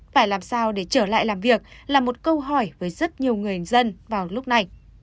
phải làm sao để trở lại làm việc là một câu hỏi với rất nhiều người dân vào lúc này